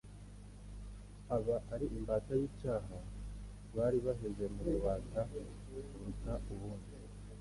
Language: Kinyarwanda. aba ari imbata y'icyaha." Bari baraheze mu bubata buruta ubundi